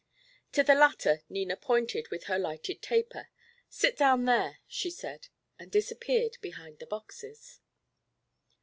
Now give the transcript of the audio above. To the latter Nina pointed with her lighted taper. "Sit down there," she said, and disappeared behind the boxes.